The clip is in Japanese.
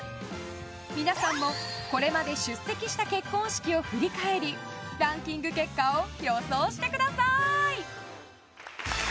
皆さんも、これまで出席した結婚式を振り返りランキング結果を予想してください。